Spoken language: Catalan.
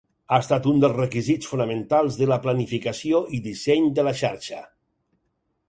Ha estat un dels requisits fonamentals de la planificació i disseny de la xarxa.